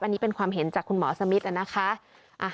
อันนี้เป็นความเห็นจากคุณหมอสมิทนะคะ